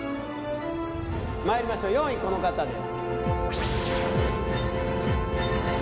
まいりましょう４位この方です